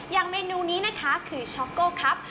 เมนูนี้นะคะคือช็อกโก้ครับ